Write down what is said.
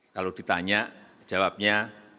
kalau ditanya jawabnya